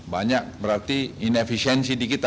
banyak berarti inefisiensi di kita